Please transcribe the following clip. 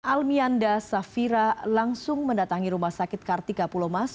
almianda safira langsung mendatangi rumah sakit kartika pulomas